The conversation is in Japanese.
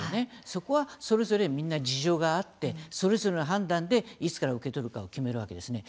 そこはそれぞれみんな事情があってそれぞれの判断でいつから受け取るかを決めるわけですね。